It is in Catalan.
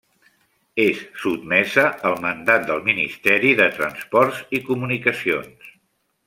És sotmesa al mandat del Ministeri de Transports i Comunicacions.